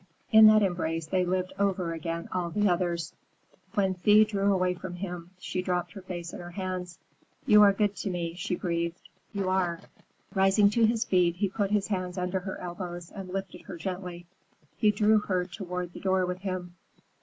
In that embrace they lived over again all the others. When Thea drew away from him, she dropped her face in her hands. "You are good to me," she breathed, "you are!" Rising to his feet, he put his hands under her elbows and lifted her gently. He drew her toward the door with him.